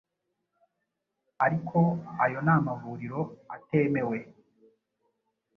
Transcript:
ariko ayo n’amavuriro atemewe